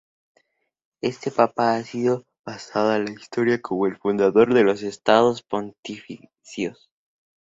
Este papa ha pasado a la historia como el fundador de los Estados Pontificios.